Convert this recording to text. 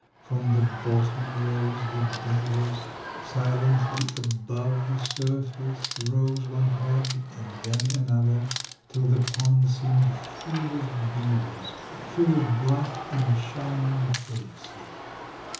From the bottom rose the beavers, Silently above the surface Rose one head and then another, Till the pond seemed full of beavers, Full of black and shining faces.